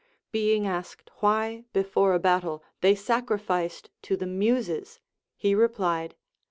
Being asked why before a battle they sacrificed to the Muses, he replied.